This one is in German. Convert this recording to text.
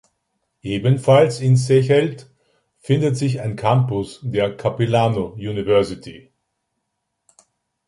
Ebenfalls in Sechelt findet sich ein Campus der Capilano University.